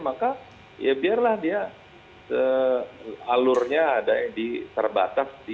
maka ya biarlah dia alurnya ada yang terbatas